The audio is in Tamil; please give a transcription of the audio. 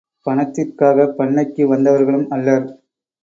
பணத்திற்காகப் பண்ணைக்கு வந்தவர்களும் அல்லர்.